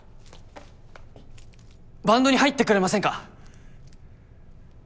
バンドに入ってくれませんか？